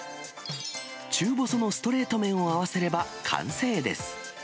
中細のストレート麺を合わせれば完成です。